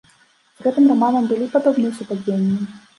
З гэтым раманам былі падобныя супадзенні?